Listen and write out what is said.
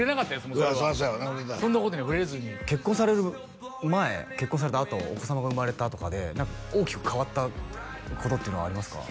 もうそれはそらそやわなそんなことには触れずに結婚される前結婚されたあとお子様が生まれたとかで何か大きく変わったことってのはありますか？